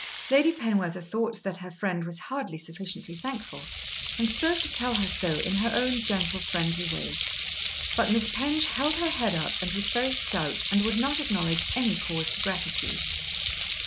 Lady Penwether thought that her friend was hardly sufficiently thankful, and strove to tell her so in her own gentle, friendly way. But Miss Penge held her head up and was very stout, and would not acknowledge any cause for gratitude.